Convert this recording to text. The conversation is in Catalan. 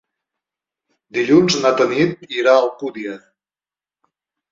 Dilluns na Tanit irà a Alcúdia.